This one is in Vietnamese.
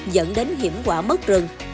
dẫn đến hiểm quả mất rừng